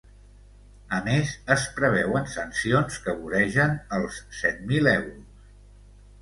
A més, es preveuen sancions que voregen els set mil euros.